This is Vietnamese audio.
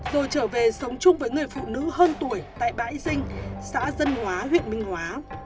rồi trở về sống chung với người phụ nữ hơn tuổi tại bãi dinh xã dân hóa huyện minh hóa